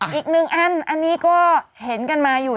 อีกหนึ่งอันอันนี้ก็เห็นกันมาอยู่